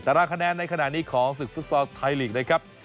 รางคะแนนในขณะนี้ของศึกฟุตซอลไทยลีกนะครับ